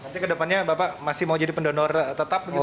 nanti ke depannya bapak masih mau jadi pendonor tetap gitu